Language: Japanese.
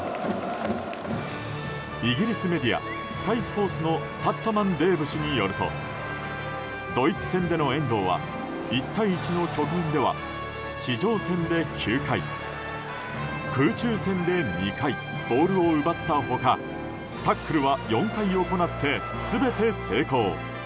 イギリスメディアスカイスポーツのスタットマン・デーブ氏によるとドイツ戦での遠藤は１対１の局面では地上戦で９回、空中戦で２回ボールを奪った他タックルは４回行って全て成功。